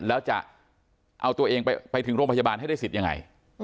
แล้วจะเอาตัวเองไปถึงโรงพยาบาลให้ได้สิทธิ์ยังไง